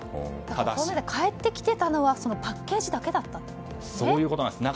これまで変えてきてたのはパッケージだけだったんですね。